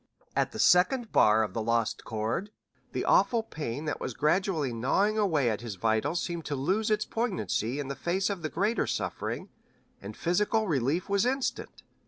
At the second bar of the 'Lost Chord' the awful pain that was gradually gnawing away at his vitals seemed to lose its poignancy in the face of the greater suffering, and physical relief was instant.